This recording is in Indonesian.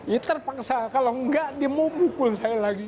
ini terpaksa kalau nggak dia mau bukul saya lagi